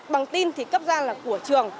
bằng tin thì cấp ra là của trường